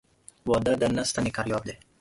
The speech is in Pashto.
واده د نه ستني کرياب دى.